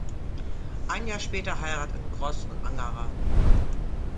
Ein Jahr später heirateten Groß und Angerer.